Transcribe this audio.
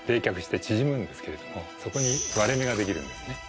そこに割れ目ができるんですね。